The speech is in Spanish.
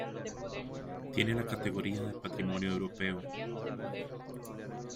Tiene la categoría de Patrimonio Europeo.